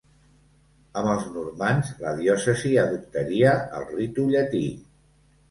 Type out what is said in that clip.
Amb els normands la diòcesi adoptaria el ritu llatí.